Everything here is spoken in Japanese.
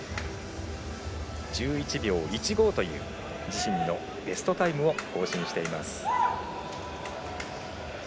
１１秒１５という自身のベストタイムを更新しています。